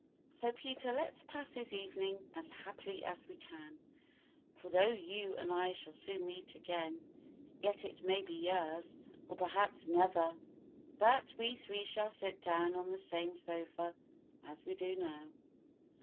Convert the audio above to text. So, Peter, let's pass this evening as happily as we can: for though you and I shall soon meet again, yet it may be years, or perhaps never, that we three shall sit down on the same sofa as we do now."